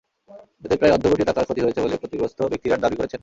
এতে প্রায় অর্ধকোটি টাকার ক্ষতি হয়েছে বলে ক্ষতিগ্রস্ত ব্যক্তিরা দাবি করেছেন।